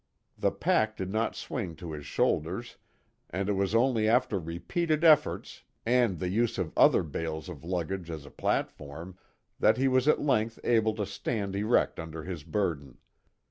The pack did not swing to his shoulders, and it was only after repeated efforts, and the use of other bales of luggage as a platform that he was at length able to stand erect under his burden.